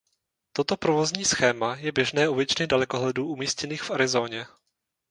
Toto provozní schéma je běžné u většiny dalekohledů umístěných v Arizoně.